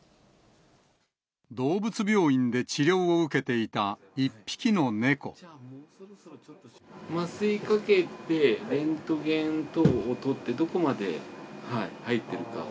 動物病院で治療を受けていた麻酔かけて、レントゲン等を撮って、どこまで入っているかを。